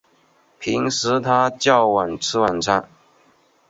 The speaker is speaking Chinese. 平时他较晚吃晚餐